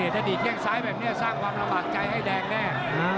ถ้าดีดแข้งซ้ายแบบนี้สร้างความลำบากใจให้แดงแน่